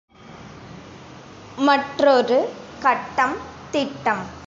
மற்றொரு கட்டம் திட்டம்.